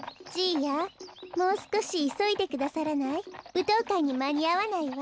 ぶとうかいにまにあわないわ。